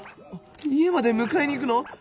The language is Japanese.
家まで迎えに行くの？